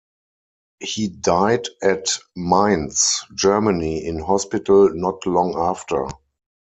He died at Mainz, Germany in hospital not long after.